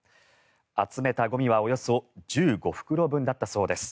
集めたゴミはおよそ１５袋分だったそうです。